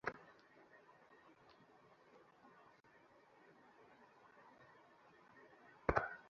বিকেল নাগাদ না-কমলে ডাক্তারের কাছে যেতে হবে।